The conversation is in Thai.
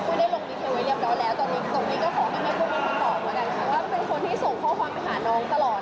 แล้วอีกอย่างหนึ่งคือแอลเป็นคนที่มีความตั้งใจ